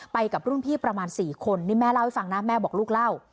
ไปกับรุ่นพี่ประมาณ๔คนนี่แม่เล่าให้ฟังนะแม่บอกลูกเล่า